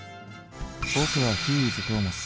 僕はヒーイズトーマス。